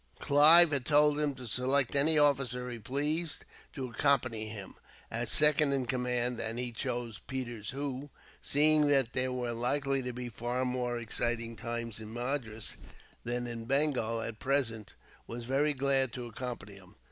Clive had told him to select any officer he pleased to accompany him, as second in command; and he chose Peters, who, seeing that there were likely to be far more exciting times in Madras than in Bengal at present, was very glad to accompany him.